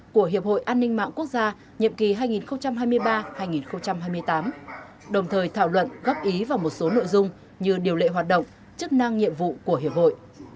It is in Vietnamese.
của hiệp hội an ninh mạng quốc gia nhiệm kỳ hai nghìn hai mươi ba hai nghìn hai mươi tám đồng thời thảo luận góp ý vào một số nội dung như điều lệ hoạt động chức năng nhiệm vụ của hiệp hội